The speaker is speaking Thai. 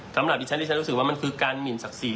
สำหรับดิฉันดิฉันรู้สึกว่ามันคือการหมินศักดิ์ศรี